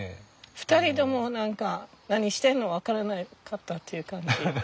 ２人とも何か何してんの分からなかったっていう感じ。